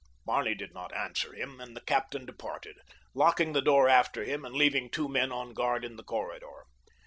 Barney did not answer him, and the captain departed, locking the door after him and leaving two men on guard in the corridor.